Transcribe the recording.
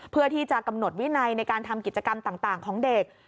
เพื่อที่จะกำหนดวินัยในการทำกิจกรรมต่างของเด็ก